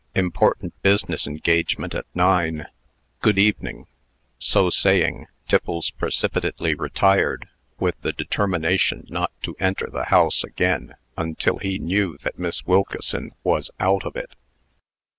Important business engagement at nine. Good evening." So saying, Tiffles precipitately retired, with the determination not to enter the house again until he knew that Miss Wilkeson was out of it.